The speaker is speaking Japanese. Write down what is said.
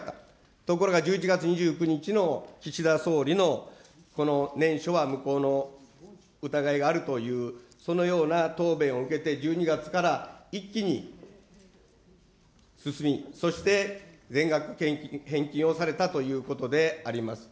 ところが、１１月２９日の岸田総理のこの念書は無効の疑いがあるという、そのような答弁を受けて、１２月から一気に進み、そして全額返金をされたということであります。